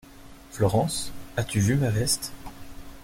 Florence, as-tu vu ma veste?